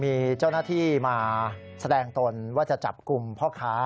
มีเจ้าหน้าที่มาแสดงตนว่าจะจับกลุ่มพ่อค้า